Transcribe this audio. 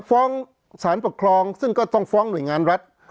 ฟ้องสารปกครองซึ่งก็ต้องฟ้องหน่วยงานรัฐ